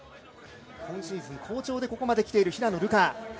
今シーズン好調でここまで来ている平野流佳。